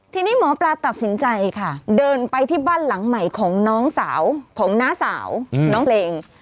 ทีนี้หมอปลาตัดสินใจค่ะเดินไปที่บ้านหลังใหม่ของน้องสาวของน้าสาวน้องเพลง